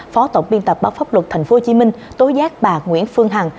phó tổng biên tập báo pháp luật tp hcm tối giác bà nguyễn phương hằng